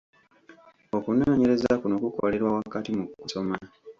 Okunoonyereza kuno kukolerwa wakati mu kusoma.